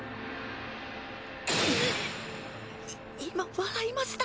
い今笑いました？